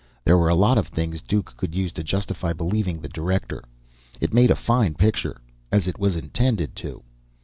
There were a lot of things Duke could use to justify believing the director. It made a fine picture as it was intended to.